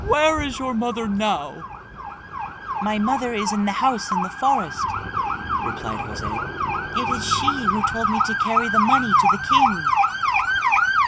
Where is your mother now?" "My mother is in the house in the forest," replied José. "It is she who told me to carry the money to the king."